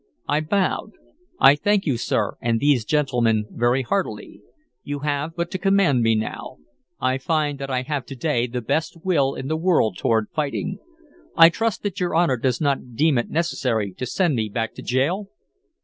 I bowed. "I thank you, sir, and these gentlemen very heartily. You have but to command me now. I find that I have to day the best will in the world toward fighting. I trust that your Honor does not deem it necessary to send me back to gaol?"